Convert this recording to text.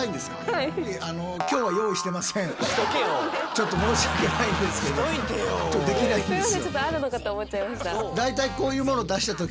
ちょっと申し訳ないんですけどできないんですよ。